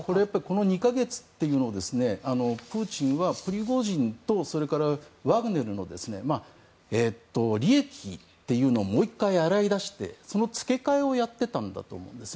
この２か月というのはプーチンはプリゴジンとワグネルの利益というのをもう１回洗い出して、その付け替えをやってたんだと思います。